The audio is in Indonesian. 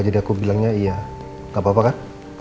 jadi aku bilangnya iya gak apa apa kan